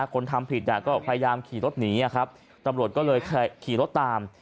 คนทำผิดก็พยายามขี่รถหนีครับตำรวจก็เลยขี่รถตาม